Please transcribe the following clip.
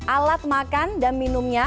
alat makan dan minumnya